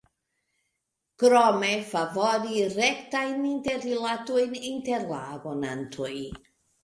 Krome, favori rektajn interrilatojn inter la abonantoj.